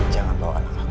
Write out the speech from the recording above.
jangan bawa anak aku